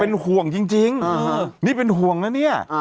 เป็นห่วงจริงนี่เป็นห่วงนะเนี่ย